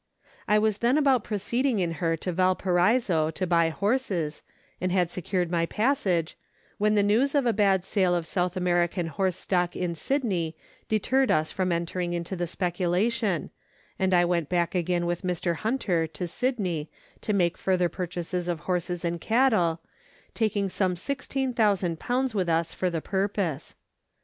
I was then about proceeding in her to Valparaiso to buy horses, and had secured my passage, when the news of a bad sale of South American horse stock in Sydney deterred us from entering into the speculation, and I went back again with Mr. Hunter to Sydney to make further purchases of horses and cattle, taking some 16,000 with us for the purpose.